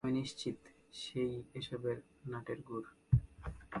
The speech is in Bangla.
আমি নিশ্চিত সে-ই এসবের নাটের গুর।